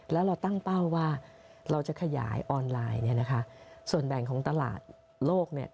แล้วเราตั้งเป้าว่าเราจะขยายออนไลน์เนี่ยนะคะส่วนแบ่งของตลาดโลกเนี่ย